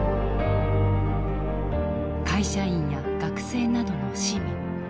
会社員や学生などの市民。